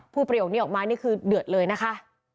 ประโยคนี้ออกมานี่คือเดือดเลยนะคะ